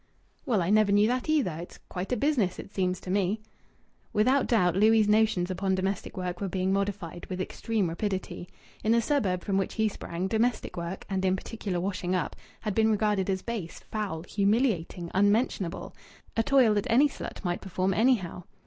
"Well, I never knew that either! It's quite a business, it seems to me." Without doubt Louis' notions upon domestic work were being modified with extreme rapidity. In the suburb from which he sprang domestic work and in particular washing up had been regarded as base, foul, humiliating, unmentionable as toil that any slut might perform anyhow.